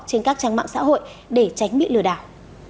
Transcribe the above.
trên các trang mạng xã hội để tránh bị lừa đảo